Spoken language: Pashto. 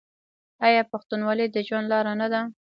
آیا پښتونولي د ژوند لاره نه ده؟